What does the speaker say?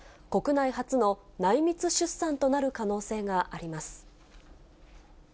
国内初の内密出産となる可能性があります。